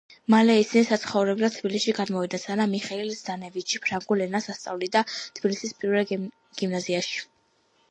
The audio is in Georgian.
მალე ისინი საცხოვრებლად თბილისში გადმოვიდნენ, სადაც მიხეილ ზდანევიჩი ფრანგულ ენას ასწავლიდა თბილისის პირველ გიმნაზიაში.